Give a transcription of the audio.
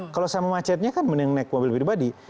kalau sama macetnya kan mending naik mobil pribadi